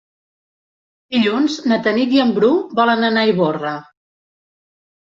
Dilluns na Tanit i en Bru volen anar a Ivorra.